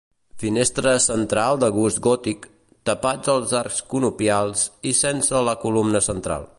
Finestra central de gust gòtic, tapats els arcs conopials i sense la columna central.